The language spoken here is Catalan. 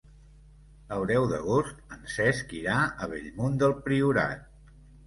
El deu d'agost en Cesc irà a Bellmunt del Priorat.